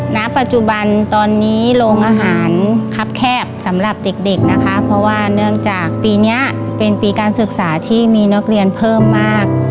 ณปัจจุบันตอนนี้โรงอาหารครับแคบสำหรับเด็กเด็กนะคะเพราะว่าเนื่องจากปีนี้เป็นปีการศึกษาที่มีนักเรียนเพิ่มมาก